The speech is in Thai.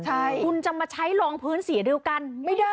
คุณจะมาใช้รองพื้นสีเดียวกันไม่ได้